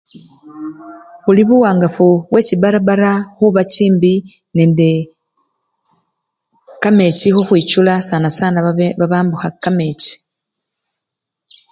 Buli buwangafu bwechiparapara khuba chimbi nende kamechi khukhwichula sana sana babe! babambukha kamechi.